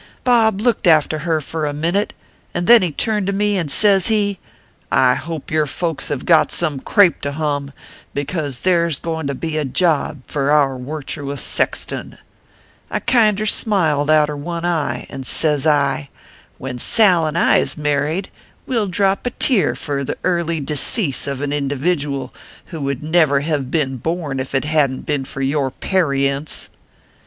Bob looked after her for a minit, and then he turned to me, and sez he : I hope your folks have got some crape to hum ; because there s goin to be a job fur our wirtuous sexton. I kinder smiled outer one eye, 20 ORPHEUS C. KERR PAPERS. and sez I :( When Sal and I is married, we ll drop a tear fur the early decease of an individual who never would hev been born if it hadn t been for your pa rients.